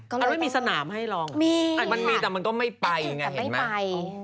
อันไหนมีสนามให้ลองมีค่ะมันมีแต่มันก็ไม่ไปไงมันไม่ไป